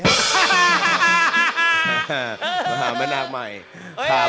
มหาแม่นาคใหม่ครับ